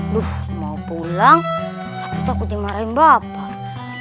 duh mau pulang tapi takut dimarahin bapak